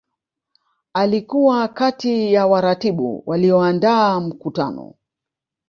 Alikuwa kati ya waratibu walioandaa mkutano